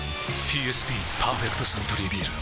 ＰＳＢ「パーフェクトサントリービール」